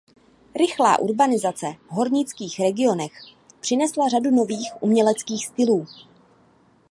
Rychlá urbanizace hornických regionech přinesla řadu nových uměleckých stylů.